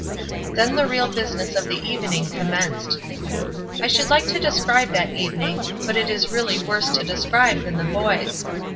Then the real business of the evening commenced. I should like to describe that evening; but it is really worse to describe than the boys.